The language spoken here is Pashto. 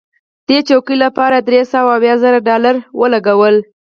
دې چوکۍ لپاره درې سوه اویا زره ډالره ولګول.